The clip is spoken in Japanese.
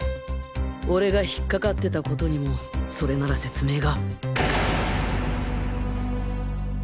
俺が引っかかってたことにもそれなら説明が